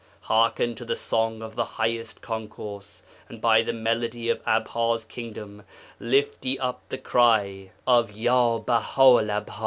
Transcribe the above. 'Hearken to the song of the Highest Concourse, and by the melody of Abha's Kingdom lift ye up the cry of "Ya Baha 'ul Abha!"